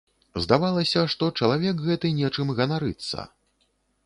Здавалася, што чалавек гэты нечым ганарыцца.